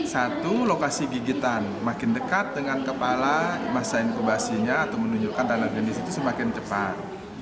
satu lokasi gigitan makin dekat dengan kepala masa inkubasinya atau menunjukkan tanah jenis itu semakin cepat